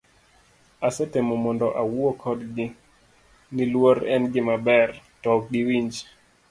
Asetemo mondo awuo kodgi, ni luor en gima ber, to ok giwinji.